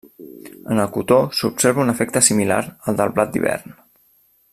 En el cotó s'observa un efecte similar al del blat d'hivern.